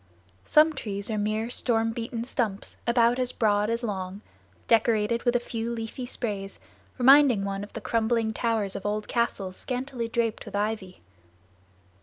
Some trees are mere storm beaten stumps about as broad as long, decorated with a few leafy sprays, reminding one of the crumbling towers of old castles scantily draped with ivy.